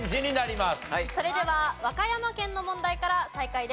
それでは和歌山県の問題から再開です。